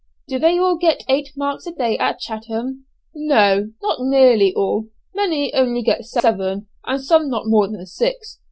"Do they all get eight marks a day at Chatham?" "No, not nearly all; many only get seven, and some not more than six.